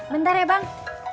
bentar ya bang